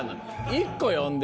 １個読んで。